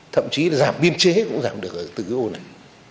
thậm chí là giảm biên chế cũng giảm được ở tự hồ này